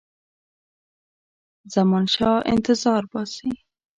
زمانشاه انتظار باسي.